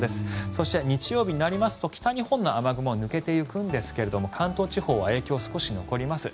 そして、日曜日になりますと北日本の雨雲は抜けていくんですが関東地方は影響少し残ります。